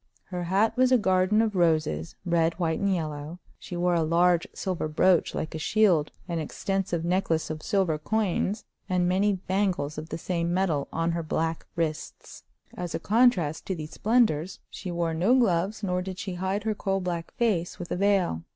Her hat was a garden of roses—red, white and yellow; she wore a large silver brooch like a shield, an extensive necklace of silver coins, and many bangles of the same metal on her black wrists. As a contrast to these splendors she wore no gloves, nor did she hide her coal black face with a veil.